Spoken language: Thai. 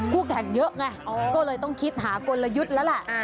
แข่งเยอะไงก็เลยต้องคิดหากลยุทธ์แล้วแหละ